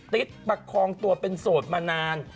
ติ๊ดตักคองตัวเป็นโสดมานาน